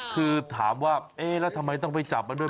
คือถามว่าเอ๊ะแล้วทำไมต้องไปจับมันด้วย